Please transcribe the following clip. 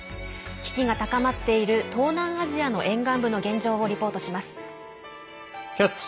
危機が高まっている東南アジアの沿岸部の現状を「キャッチ！